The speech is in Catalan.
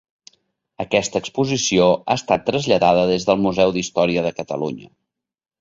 Aquesta exposició ha estat traslladada des del Museu d'Història de Catalunya.